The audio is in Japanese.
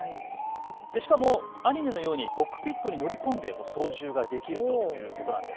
しかもアニメのようにコックピットに乗り込んで操縦ができるということなんです。